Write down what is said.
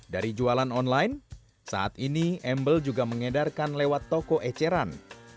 dari jualan online saat ini embel juga mengedarkan lewat toko eceran